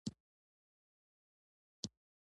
ستاسو امتحان کله دی؟